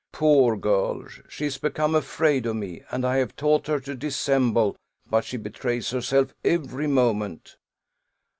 Poor girl! she is become afraid of me, and I have taught her to dissemble; but she betrays herself every moment.